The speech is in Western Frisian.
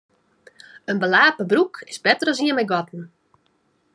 In belape broek is better as ien mei gatten.